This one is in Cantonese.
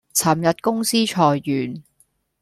尋日公司裁員